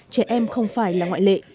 trẻ em không phải là ngoại lệ